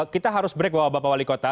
kita harus break bapak wali kota